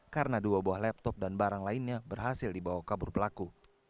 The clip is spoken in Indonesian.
karena dua buah laptop dan barang lainnya berhasil dibawa kabur pelaku